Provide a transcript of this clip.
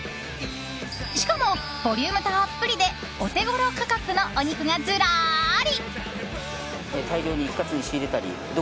しかもボリュームたっぷりでオテゴロ価格のお肉がずらーり。